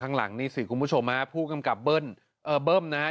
ข้างหลังนี่สิคุณผู้ชมฮะผู้กำกับเบิ้ลเอ่อเบิ้มนะฮะ